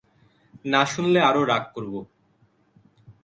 না শুনলে আরো রাগ করব।